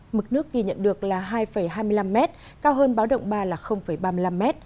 mực nước ghi nhận được là hai hai mươi năm m cao hơn báo động ba là ba mươi năm m